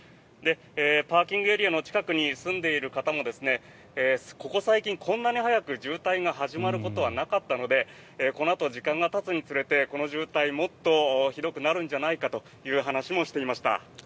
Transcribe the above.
パーキングエリアの近くに住んでいる方もここ最近こんなに早く渋滞が始まることはなかったのでこのあと時間がたつにつれてこの渋滞はもっとひどくなるんじゃないかという話もしていました。